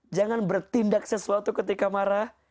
jangan bertindak sesuatu ketika marah